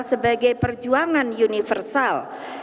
sebagai perjuangan universal